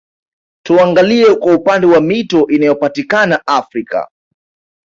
Tuangalie kwa upande wa mito inayopatikana Afrika